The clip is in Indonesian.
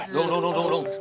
tunggu tunggu tunggu